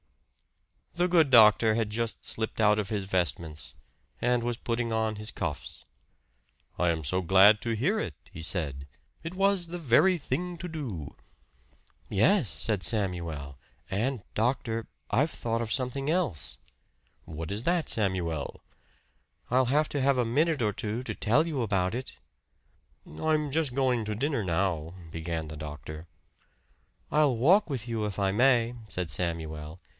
The good doctor had just slipped out of his vestments, and was putting on his cuffs. "I am so glad to hear it!" he said. "It was the very thing to do!" "Yes," said Samuel. "And, doctor, I've thought of something else." "What is that, Samuel?" "I'll have to have a minute or two to tell you about it." "I'm just going to dinner now" began the doctor. "I'll walk with you, if I may," said Samuel.